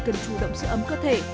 cần chủ động giữ ấm cơ thể